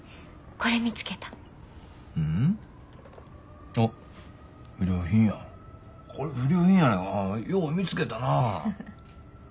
これ不良品やないかよう見つけたな。